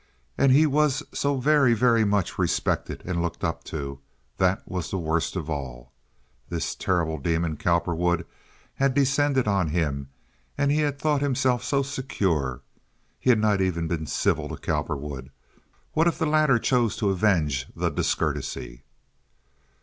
And he was so very, very much respected and looked up to—that was the worst of it all. This terrible demon Cowperwood had descended on him, and he had thought himself so secure. He had not even been civil to Cowperwood. What if the latter chose to avenge the discourtesy?